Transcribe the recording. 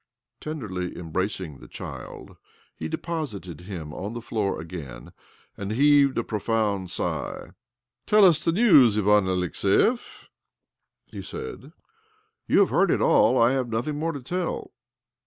Tenderly embracing tl child, he deposited him on thfe floor agai and heaved a profound sigh. " Tell us tl news, Ivan Alexiev," he said. "You have heard it all. I have nothir more to tell."